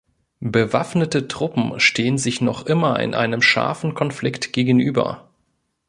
Bewaffnete Truppen stehen sich noch immer in einem scharfen Konflikt gegenüber.